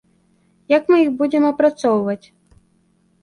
Як мы іх будзем апрацоўваць?